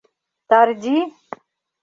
Тарди!